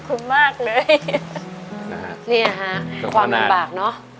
ขอบคุณมากเลยนะฮะนี่ฮะความหังบาร์กเนอะ